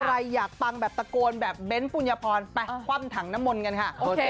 ใครอยากปังแบบตะโกนแบบเบ้นปุญญพรไปคว่ำถังน้ำมนต์กันค่ะ